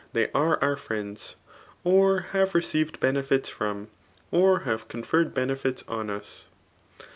fhey are our friends, or ha?e reeored beoefite froak, or have conferred boiefita on iis.